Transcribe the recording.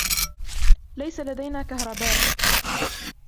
ليس لدينا كهرباء.